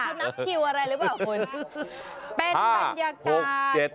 นับคิวอะไรหรือเปล่ามนต์